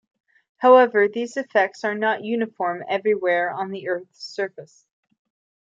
However, these effects are not uniform everywhere on the Earth's surface.